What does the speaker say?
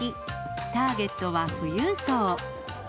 ターゲットは富裕層。